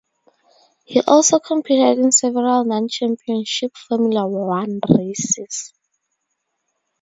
He also competed in several non-Championship Formula One races.